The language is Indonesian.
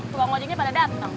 tukang ojeknya pada dateng